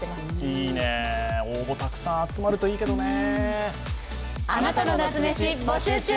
いいね、応募たくさん集まるといいけどね。